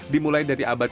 dimulai dari abad